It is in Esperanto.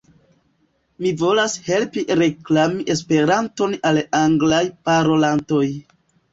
Mi volas helpi reklami Esperanton al anglaj parolantoj